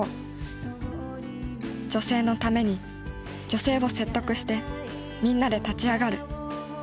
女性のために女性を説得してみんなで立ち上がる。